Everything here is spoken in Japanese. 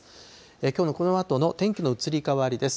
きょうのこのあとの天気の移り変わりです。